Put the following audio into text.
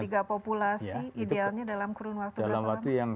dalam kurun waktu berapa lama dalam waktu yang